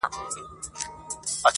دا وړانګي له خلوته ستا یادونه تښتوي-